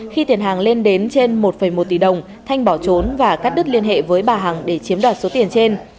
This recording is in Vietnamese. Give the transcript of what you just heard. khi tiền hàng lên đến trên một một tỷ đồng thanh bỏ trốn và cắt đứt liên hệ với bà hằng để chiếm đoạt số tiền trên